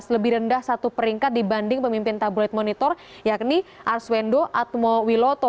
lebih rendah satu peringkat dibanding pemimpin tabloid monitor yakni arswendo atmowiloto